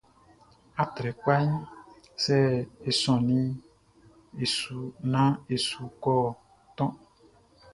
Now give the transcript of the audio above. Atrɛkpaʼn, sɛ e sɔnnin naan e su kɔ toʼn.